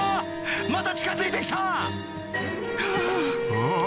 また近づいて来たはぁ！